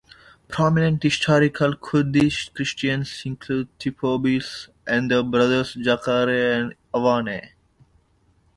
Prominent historical Kurdish Christians include Theophobos and the brothers Zakare and Ivane.